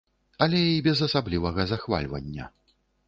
Але і без асаблівага захвальвання.